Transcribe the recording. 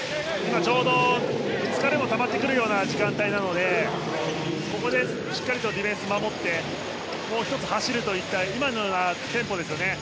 ちょうど今は疲れもたまってくる時間帯なのでここでしっかりディフェンスしてもう１つ、走るといった今のようなテンポですよね。